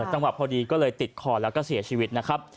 จังหวะพอดีก็เลยติดคอแล้วก็เสียชีวิตนะครับ